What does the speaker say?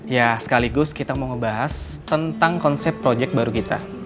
ya sekaligus kita mau ngebahas tentang konsep proyek baru kita